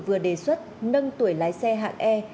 vừa đề xuất nâng tuổi lái xe hạng e